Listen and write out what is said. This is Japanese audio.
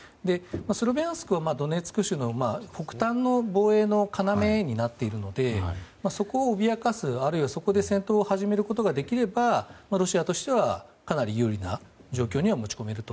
スロビャンスクはドネツク州の北端の防衛の要になっているのでそこを脅かすあるいはそこで戦闘を始めることができれば、ロシアとしてはかなり優位な状況に持ち込めると。